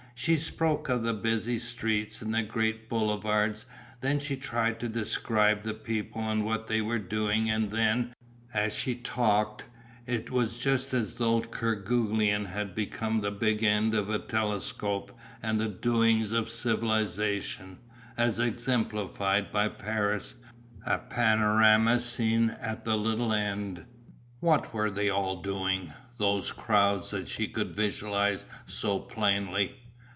She spoke of the busy streets and the great Boulevards, then she tried to describe the people and what they were doing and then, as she talked, it was just as though Kerguelen had become the big end of a telescope and the doings of civilisation, as exemplified by Paris, a panorama seen at the little end. What were they all doing, those crowds that she could visualize so plainly?